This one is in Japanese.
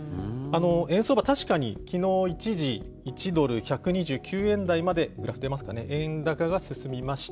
円相場、確かにきのう一時１ドル１２９円台まで、下落というか、円安が進みました。